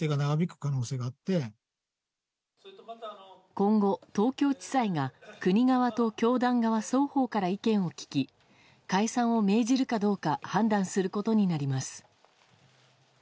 今後、東京地裁が国側と教団側双方から意見を聞き解散を命じるかどうか判断することになります。